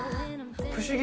不思議。